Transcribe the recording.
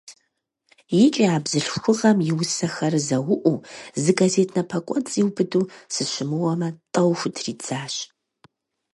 ИкӀи а бзылъхугъэм и усэхэр зэуӀуу, зы газет напэкӀуэцӀ иубыду, сыщымыуэмэ, тӀэу хутридзащ.